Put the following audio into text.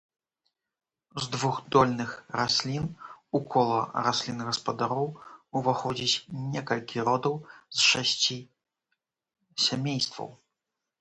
З двухдольных раслін у кола раслін-гаспадароў уваходзіць некалькі родаў з шасці сямействаў.